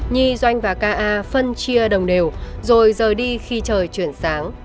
nhi doanh và k a phân chia đồng đều rồi rời đi khi trời chuyển sáng